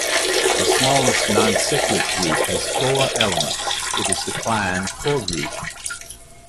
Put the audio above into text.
The smallest non-cyclic group has four elements; it is the Klein four-group.